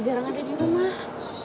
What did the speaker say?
jarang ada di rumah